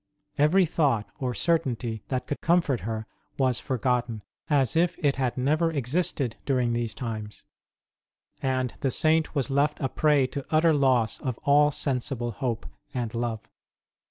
Every thought or cer tainty that could comfort her was forgotten as if it had never existed during these times, and the Saint was left a prey to utter loss of all sensible hope and love.